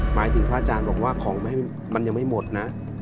หมายถึงพระอาจารย์บอกว่าของมันยังไม่หมดนะ